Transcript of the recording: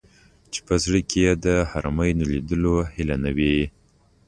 چې په زړه کې یې د حرمینو لیدلو هیله نه وي.